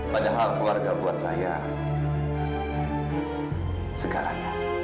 padahal keluarga buat saya sekarang